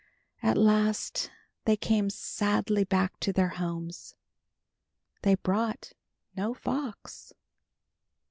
At last they came sadly back to their homes. They brought no fox.